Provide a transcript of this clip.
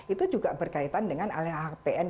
itu juga berkaitan dengan lhkpn